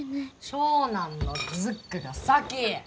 長男のズックが先！